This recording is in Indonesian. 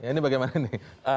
ini bagaimana nih